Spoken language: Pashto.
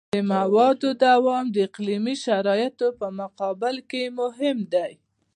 د موادو دوام د اقلیمي شرایطو په مقابل کې مهم دی